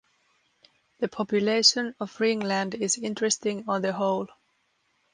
The population of Ringland is interesting on the whole.